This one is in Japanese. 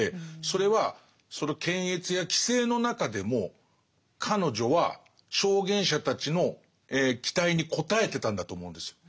それはその検閲や規制の中でも彼女は証言者たちの期待に応えてたんだと思うんですよ。